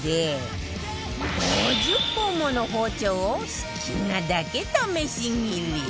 ５０本もの包丁を好きなだけ試し切り